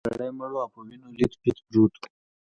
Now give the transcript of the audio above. یو سړی مړ و او په وینو لیت پیت و.